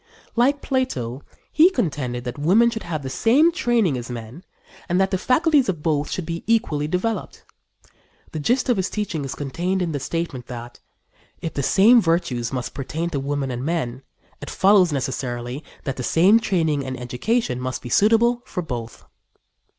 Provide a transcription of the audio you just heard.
Like Plato, he contended that women should have the same training as men and that the faculties of both should be equally developed. The gist of his teaching is contained in the statement that: "If the same virtues must pertain to men and women, it follows, necessarily, that the same training and education must be suitable for both."